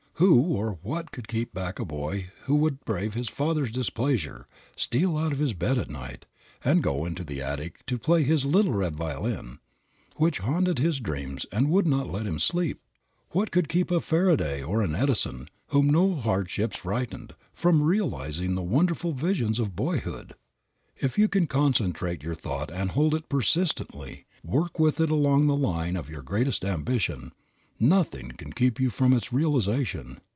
Who or what could keep back a boy who would brave his father's displeasure, steal out of his bed at night, and go into the attic to play his "little red violin," which haunted his dreams and would not let him sleep? What could keep a Faraday or an Edison, whom no hardships frightened, from realizing the wonderful visions of boyhood? If you can concentrate your thought and hold it persistently, work with it along the line of your greatest ambition, nothing can keep you from its realization.